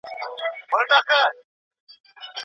د رسا ناول تر لنډو کيسو اوږد و.